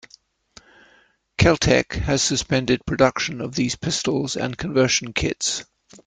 Kel-Tec has suspended production of these pistols and conversion kits.